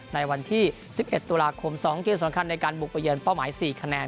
ในวันที่๑๑ตุลาคม๒เกมสำคัญในการบุกไปเยินเป้าหมาย๔คะแนน